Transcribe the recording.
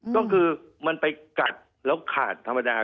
ก็คือมันไปกัดแล้วขาดธรรมดา